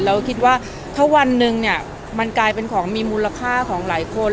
คิดว่าถ้าวันหนึ่งเนี่ยมันกลายเป็นของมีมูลค่าของหลายคน